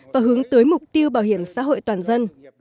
và hướng tới mục tiêu bảo hiểm xã hội toàn dân